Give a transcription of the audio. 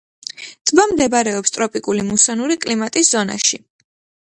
ტბა მდებარეობს ტროპიკული მუსონური კლიმატის ზონაში.